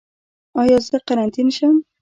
ایا زه قرنطین شم؟